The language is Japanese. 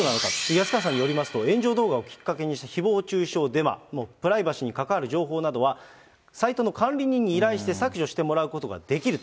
安川さんによりますと、炎上動画をきっかけにしたひぼう中傷、デマ、プライバシーに関わる情報などは、サイトの管理人に依頼して削除してもらうことができると。